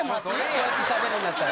こうやってしゃべるんだったら。